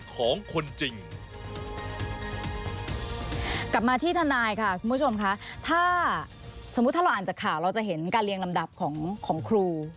กลับมาที่ทนายค่ะคุณผู้ชมถ้าเราอ่านจากข่าวเราจะเห็นเรียนลำดับของครู